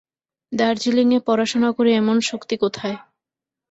দার্জিলিঙে পড়াশুনা করি এমন শক্তি কোথায়।